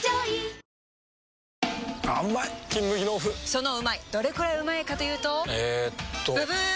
そのうまいどれくらいうまいかというとえっとブブー！